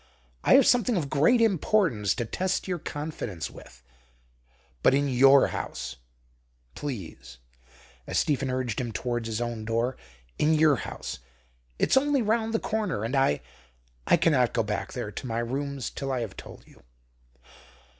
I have something of great importance to test your confidence with. But in your house, please," as Stephen urged him towards his own door "in your house. It's only round the corner, and I I cannot go back there to my rooms till I have told you."